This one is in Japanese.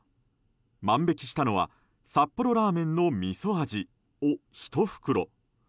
万引きしたのは札幌ラーメンのみそ味を１袋。